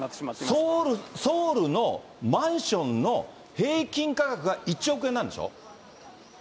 だからソウルのマンションの平均価格が１億円なんでしょ。